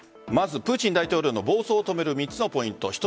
まずプーチン大統領の暴走を止める３つのポイント